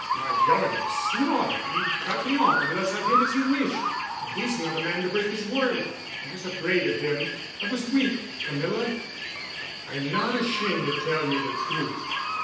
My governor swore he'd cut me off unless I did as he wished. And he's not a man to break his word. I was afraid of him. I was weak, Camilla. I'm not ashamed to tell you the truth.